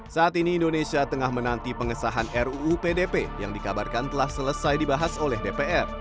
saat ini indonesia tengah menanti pengesahan ruu pdp yang dikabarkan telah selesai dibahas oleh dpr